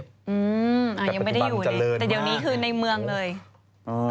อาทิตย์ปัจจุบันเจริญมากแต่เดี๋ยวนี้คือในเมืองเลย